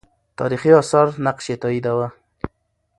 تاریخي آثار نقش یې تاییداوه.